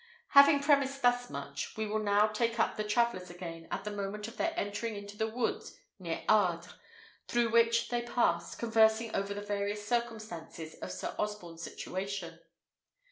Having premised thus much, we will now take up the travellers again at the moment of their entering into the wood near Ardres, through which they passed, conversing over the various circumstances of Sir Osborne's situation.